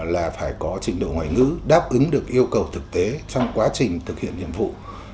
là phải có trình độ ngoại ngữ đáp ứng được yêu cầu thực tế trong quá trình thực hiện nhiệm vụ